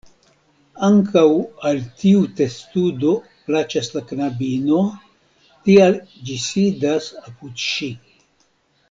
Ankaŭ al tiu testudo plaĉas la knabino, tial ĝi sidas apud ŝi.